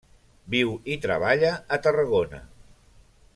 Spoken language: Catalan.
Viu i treballa a Tarragona.